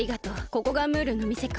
ここがムールのみせか。